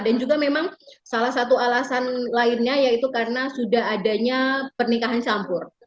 dan juga memang salah satu alasan lainnya yaitu karena sudah adanya pernikahan campur